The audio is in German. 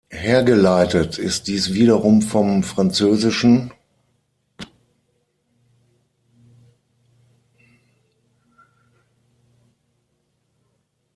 Hergeleitet ist dies wiederum vom franz.